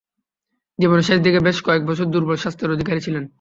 জীবনের শেষদিকে বেশ কয়েক বছর দূর্বল স্বাস্থ্যের অধিকারী ছিলেন।